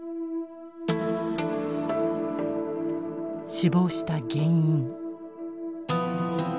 死亡した原因。